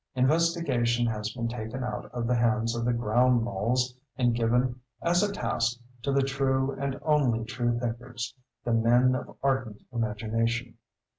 Investigation has been taken out of the hands of the ground moles and given, as a task, to the true and only true thinkers, the men of ardent imagination.